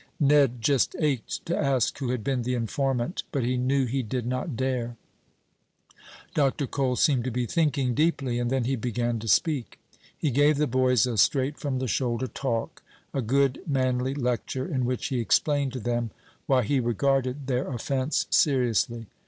Ned just ached to ask who had been the informant, but he knew he did not dare. Dr. Cole seemed to be thinking deeply, and then he began to speak. He gave the boys a straight from the shoulder talk a good, manly lecture, in which he explained to them why he regarded their offense seriously.